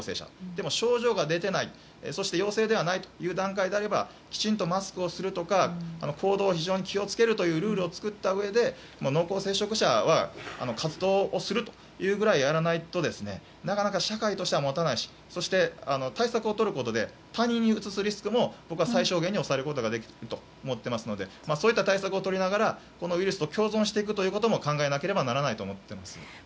でも症状がなくて陽性でもない段階ではきちんとマスクをするとか行動を非常に気をつけるというルールを作ったうえで濃厚接触者は活動をするというくらいやらないとなかなか社会としては持たないしそして対策をとることで他人にうつすリスクも最小限に抑えることができると思っていますのでそういった対策をとりながらこのウイルスと共存していくことも考えないといけないと思っています。